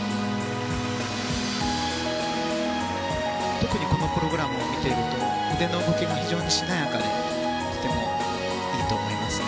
特にこのプログラムを見ていると腕の動きが非常にしなやかでとてもいいと思いますね。